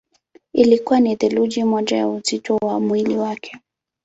Ilikuwa ni theluthi moja ya uzito wa mwili wake.